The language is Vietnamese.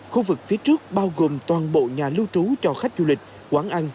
khu vực phía trước bao gồm toàn bộ nhà lưu trú cho khách du lịch quán ăn